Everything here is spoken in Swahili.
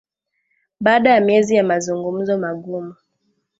Baada ya miezi ya mazungumzo magumu